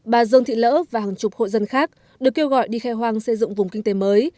bà dương thị lỡ và hàng chục hộ dân khác được kêu gọi đi khai hoang xây dựng vùng kinh tế mới